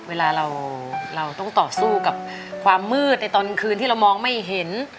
เวลาเราต้องต่อสู้กับความมืดในตอนกลางคืนที่เรามองไม่เห็น